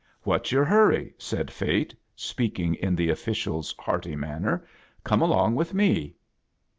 " What's your harry?" said Fate, speak ing in the official's hearty inaiiner< " Come along With me."